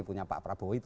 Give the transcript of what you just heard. punya pak prabowo itu